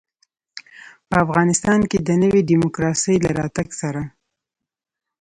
په افغانستان کې د نوي ډيموکراسۍ له راتګ سره.